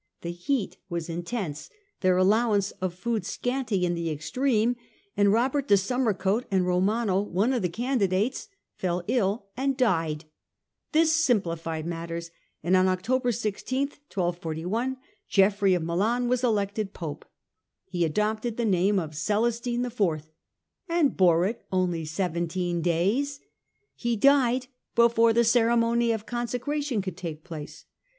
The heat was intense, their allowance of food scanty in the extreme, and Robert de Summercote and Romano, one of the candi dates, fell ill and died. This simplified matters, and on October i6th, 1241, Geoffrey of Milan was elected Pope. He adopted the name of Celestine IV and bore it only seventeen days : he died before the ceremony of conse cration could take place.